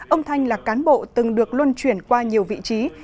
ông thanh là cán bộ từng được luân chuyển qua nhiều vị trí